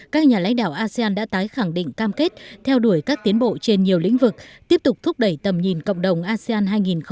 các nhà lãnh đạo asean đã tái khẳng định cam kết theo đuổi các tiến bộ trên nhiều lĩnh vực tiếp tục thúc đẩy tầm nhìn cộng đồng asean hai nghìn hai mươi năm